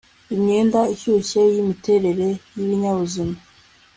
Imyenda ishyushye yimiterere yibinyabuzima